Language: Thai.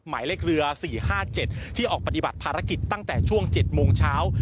หมายเลขเรือ๔๕๗ที่ออกปฏิบัติภารกิจตั้งแต่ช่วง๗โมงเช้า